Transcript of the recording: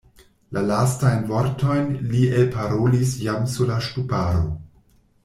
La lastajn vortojn li elparolis jam sur la ŝtuparo.